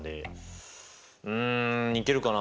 うんいけるかな。